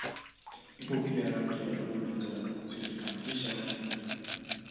Ipo pia rangi ya bluu na njano zikikamilisha rangi nne